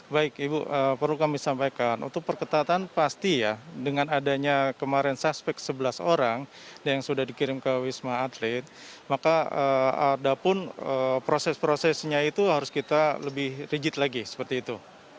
baik ibu perlu kami sampaikan untuk perketatan pasti ya dengan adanya kemarin suspek sebelas orang yang sudah dikirim ke wisma atlet maka ada pun proses prosesnya itu harus kita lebih rigid lagi seperti itu